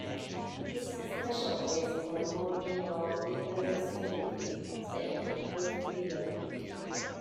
This is a special case for of more general irreducibility statement proved below.